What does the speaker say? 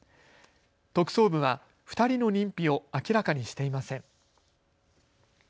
特捜部は２人の認否を明らかにしていません。